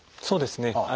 そうですね。